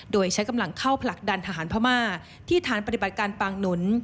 โดยใช้กำลังเข้าผลักดันทหารพม่าที่ฐานปฏิบัติการปางหนุน